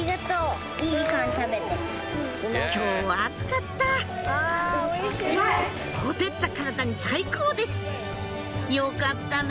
今日は暑かった火照った体に最高ですよかったね